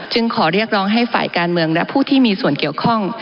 ขอเรียกร้องให้ฝ่ายการเมืองและผู้ที่มีส่วนเกี่ยวข้อง